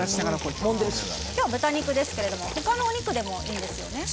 今日は豚肉ですけども他のお肉でもいいんですよね？